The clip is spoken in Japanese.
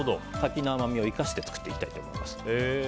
柿の甘みを生かして作っていきたいと思います。